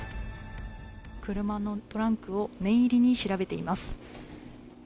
車のトランクを念入りに調べています。